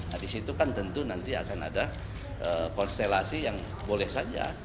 nah disitu kan tentu nanti akan ada konstelasi yang boleh saja